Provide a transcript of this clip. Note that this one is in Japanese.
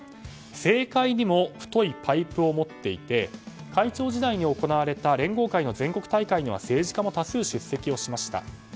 政界にも太いパイプを持っていて会長時代に行われた連合会の全国大会には政治家も多数出席しました。